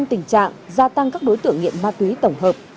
tình trạng gia tăng các đối tượng nghiện ma túy tổng hợp